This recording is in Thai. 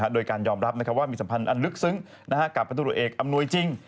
โดยการยอมรับว่ามีสัมพันธ์อันลึกซึ้งกับพันธุรกิจเอกอำนวยจริง